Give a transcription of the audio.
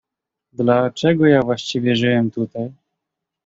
"Dla czego ja właściwie żyłem tutaj?"